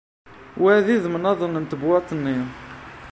Wa d udem nniḍen n tebwaḍt-nni.